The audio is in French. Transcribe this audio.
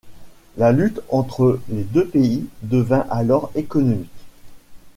La lutte entre les deux pays devint alors économique.